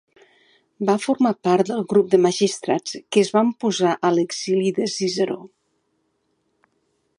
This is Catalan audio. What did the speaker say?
Va formar part del grup de magistrats que es van oposar a l'exili de Ciceró.